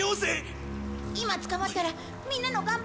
今捕まったらみんなの頑張りが無駄になる！